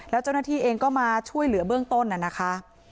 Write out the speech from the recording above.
แล้วเจ้าหน้าที่เองก็มาช่วยเหลือเบื้องต้นน่ะนะคะ